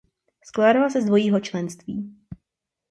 Skládala se z dvojího členství.